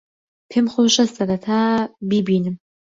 پێم خۆشە سەرەتا بیبینم.